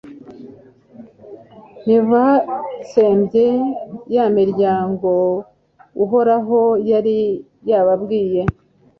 ntibatsembye ya miryangouhoraho yari yababwiye